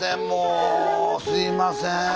もうすいません。